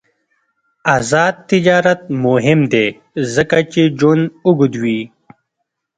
آزاد تجارت مهم دی ځکه چې ژوند اوږدوي.